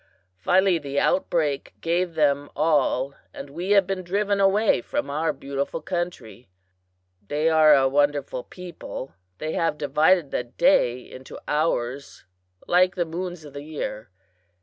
Finally the outbreak gave them all, and we have been driven away from our beautiful country. "They are a wonderful people. They have divided the day into hours, like the moons of the year.